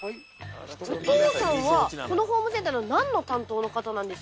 お父さんはこのホームセンターの何の担当の方なんですか？